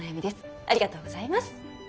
ありがとうございます。